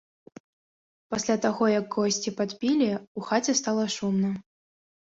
Пасля таго як госці падпілі, у хаце стала шумна.